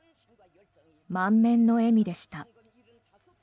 満面の笑みでした。